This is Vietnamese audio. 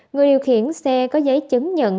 người điều khiển xe có giấy chứng nhận